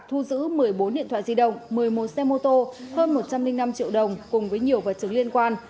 thu giữ một mươi bốn điện thoại di động một mươi một xe mô tô hơn một trăm linh năm triệu đồng cùng với nhiều vật chứng liên quan